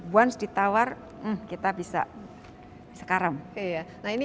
once ditawar kita bisa sekarang